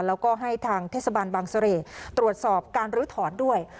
แล้วก็ให้ทางเทศบาลบางเสร่ตรวจสอบการลื้อถอนด้วย